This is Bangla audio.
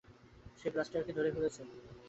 সে ব্লাস্টারকে ধরে ফেলেছে!